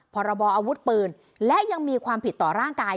พรบออาวุธปืนและยังมีความผิดต่อร่างกาย